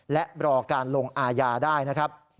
และรอการลงอาญาได้นะครับ